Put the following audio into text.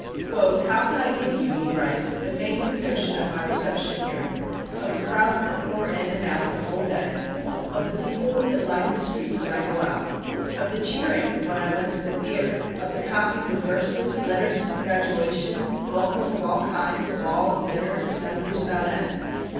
"How can I give you," he writes, "the faintest notion of my reception here; of the crowds that pour in and out the whole day; of the people that line the streets when I go out; of the cheering when I went to the theatre; of the copies of verses, letters of congratulation, welcomes of all kinds, balls, dinners, assemblies without end?...